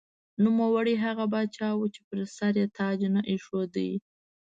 نوموړی هغه پاچا و چې پر سر یې تاج نه ایښوده.